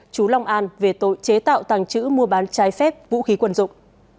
chú long an về tội chế tạo tàng trữ mua bán trái phép vũ khí quần dụng